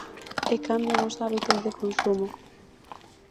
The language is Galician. E cambian os hábitos de consumo.